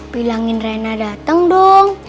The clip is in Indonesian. bilangin rena dateng dong